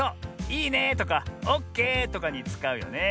「いいね」とか「オッケー」とかにつかうよね。